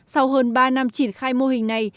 sau hơn ba năm triển khai mô hình này